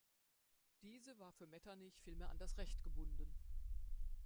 Diese war für Metternich vielmehr an das Recht gebunden.